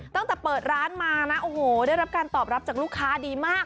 ตั้งแต่เปิดร้านมานะโอ้โหได้รับการตอบรับจากลูกค้าดีมาก